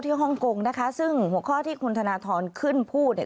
ฮ่องกงนะคะซึ่งหัวข้อที่คุณธนทรขึ้นพูดเนี่ย